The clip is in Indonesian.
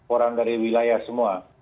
orang dari wilayah semua